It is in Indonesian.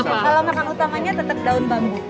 kalau makan utamanya tetap daun bambu